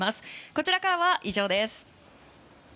こちらからは以上です。